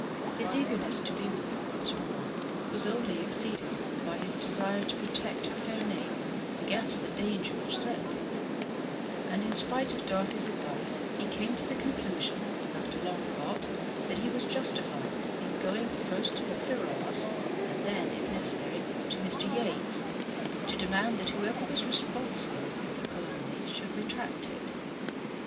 His eagerness to be with her once more was only exceeded by his desire to protect her fair name against the danger which threatened it; and in spite of Darcy's advice he came to the conclusion, after long thought, that he was justified in going first to the Ferrars's and then, if necessary, to Mr. Yates, to demand that whoever was responsible for the calumny should retract it.